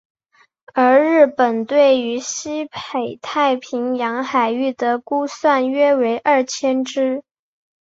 而日本对于西北太平洋海域的估算约为二千只。